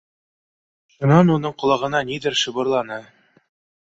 Шунан уның ҡолағына ниҙер шыбырланы.